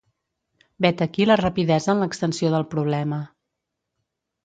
Vet aquí la rapidesa en l’extensió del problema.